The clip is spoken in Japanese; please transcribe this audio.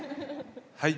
はい。